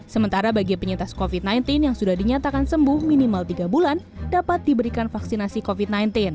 sementara bagi penyintas covid sembilan belas yang sudah dinyatakan sembuh minimal tiga bulan dapat diberikan vaksinasi covid sembilan belas